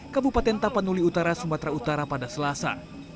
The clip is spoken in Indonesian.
kabupaten tapanuli utara sumatera utara pada selasa